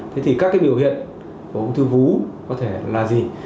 thế thì các cái biểu hiện của ung thư vú có thể là gì